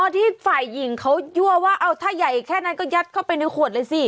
ที่ฝ่ายหญิงเขายั่วว่าเอาถ้าใหญ่แค่นั้นก็ยัดเข้าไปในขวดเลยสิ